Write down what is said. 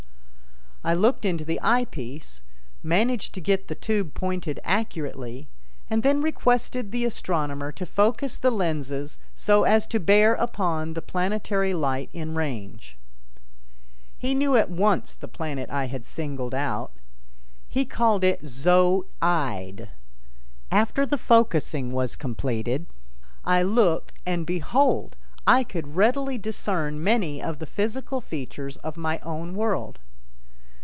I looked into the eye piece, managed to get the tube pointed accurately, and then requested the astronomer to focus the lenses so as to bear upon the planetary light in range. He knew at once the planet I had singled out. He called it Zo ide. After the focusing was completed, I looked and, behold, I could readily discern many of the physical features of my own world.